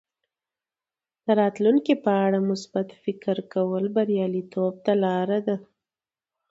د راتلونکي په اړه مثبت فکر کول بریالیتوب ته لاره ده.